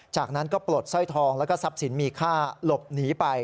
จากนั้นก็ปลดสร้อยทองแล้วก็ทรัพย์สินมีค่าหลบหนีไป